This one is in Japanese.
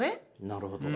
なるほど。